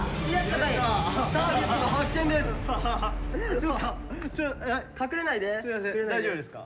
今大丈夫ですか？